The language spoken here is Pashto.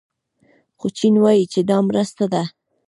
خو چین وايي چې دا مرسته ده.